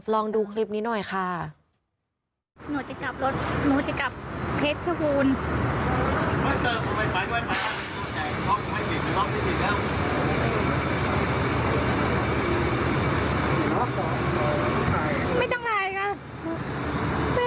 ลองดูคลิปนี้หน่อยค่ะ